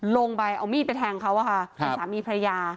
ลงไปเอามีดไปแทงเขาล่ะค่ะคือสามีพญา